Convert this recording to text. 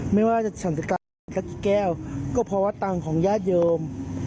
ไม่ว่าจะฉันจัดการอะไรก็กี่แก้วก็เพราะว่าตังค์ของญาติโยม